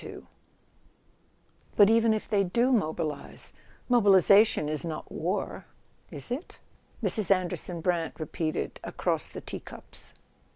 II " "I") UT even if they do mobilise: mobilisation is 1 3 not war —is it?" Mrs. Anderson Brant re¬ peated across the teacups.